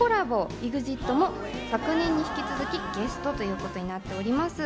ＥＸＩＴも去年に引き続きゲストということになっております。